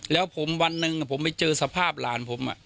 แล้วผมวันหนึ่งผมไปเจอสภาพหลานผม